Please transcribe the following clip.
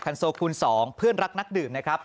โซคูณ๒เพื่อนรักนักดื่มนะครับ